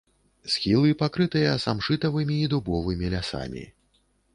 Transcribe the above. Схілы пакрытыя самшытавымі і дубовымі лясамі.